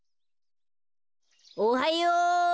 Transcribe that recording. ・おはよう。